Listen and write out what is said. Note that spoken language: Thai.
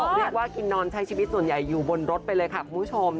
เรียกว่ากินนอนใช้ชีวิตส่วนใหญ่อยู่บนรถไปเลยค่ะคุณผู้ชม